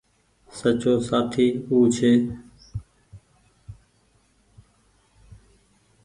سچو سآٿي او ڇي